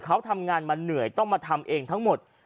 เขาทำงานมาเหนื่อยต้องมาทำเองทั้งหมด